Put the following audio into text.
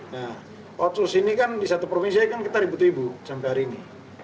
nah otsus ini kan di satu provinsi kan kita ribut ribu sampai hari ini